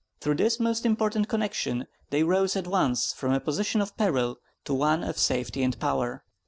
Through this most important connection they rose at once from a position of peril to one of safety and power.